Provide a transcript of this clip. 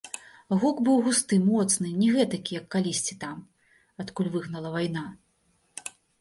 Гук быў густы, моцны, не гэтакі, як калісьці там, адкуль выгнала вайна.